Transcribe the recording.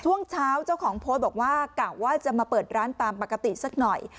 ช่วงเช้าเจ้าของโพสต์บอกว่ากะว่าจะมาเปิดร้านตามปกติสักหน่อย